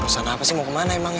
urusan apa sih mau kemana emang